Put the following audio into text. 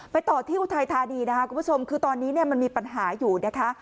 ไปต่อที่อุทัยธานีคุณผู้ชมคือตอนนี้มันมีปัญหาอยู่นะคะ